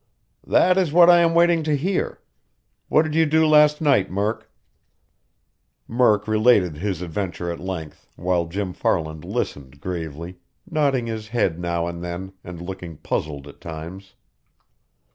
"That is what I am waiting to hear. What did you do last night, Murk?" Murk related his adventure at length, while Jim Farland listened gravely, nodding his head now and then, and looking puzzled at times.